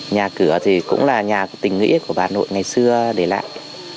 nhà cửa thì cũng là nhà tình nghĩa của bà nội ngày xưa để lại